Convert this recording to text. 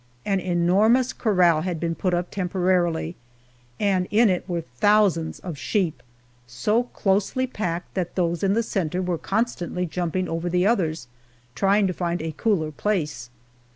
An enormous corral had been put up temporarily, and in it were thousands of sheep, so closely packed that those in the center were constantly jumping over the others, trying to find a cooler place.